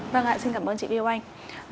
vâng ạ xin cảm ơn chị viêu anh